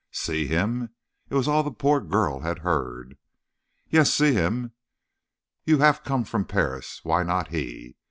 "See him?" It was all the poor girl had heard. "Yes; see him. You have come from Paris why not he?